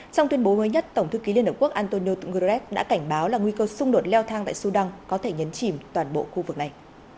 trong tuyên bố mới nhất tổng thư ký liên hợp quốc antonio gurez đã cảnh báo là nguy cơ xung đột leo thang tại sudan có thể nhấn chìm toàn bộ khu vực này